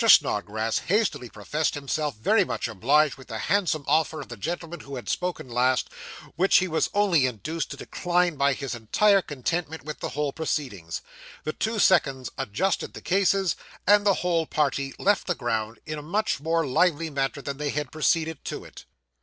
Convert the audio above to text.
Snodgrass hastily professed himself very much obliged with the handsome offer of the gentleman who had spoken last, which he was only induced to decline by his entire contentment with the whole proceedings. The two seconds adjusted the cases, and the whole party left the ground in a much more lively manner than they had proceeded to it.